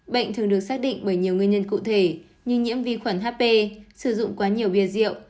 bệnh thường được xác định bởi nhiều nguyên nhân cụ thể như nhiễm vi khuẩn hp sử dụng quá nhiều bia rượu